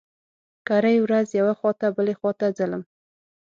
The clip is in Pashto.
کرۍ ورځ يوې خوا ته بلې خوا ته ځلم.